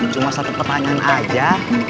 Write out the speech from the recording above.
cuma satu pertanyaan aja